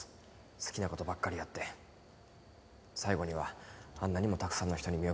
好きな事ばっかりやって最後にはあんなにもたくさんの人に見送って頂いて。